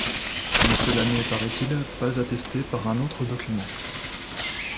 Mais cela n’est paraît-il pas attesté par un autre document.